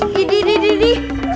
didi didi didi